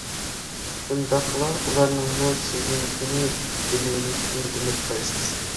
شۇنداقلا ئۇلارنىڭمۇ سىزنىڭكىنى بىلىۋېلىشىنى ئۈمىد قىلىسىز.